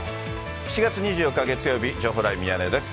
７月２４日月曜日、情報ライブミヤネ屋です。